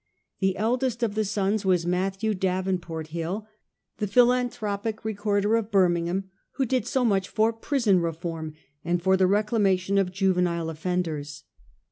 The eldest of the sons was Matthew Davenport Hill, the philanthropic recorder of Birmingham, who did so much for prison reform and for the reclamation of juvenile offenders.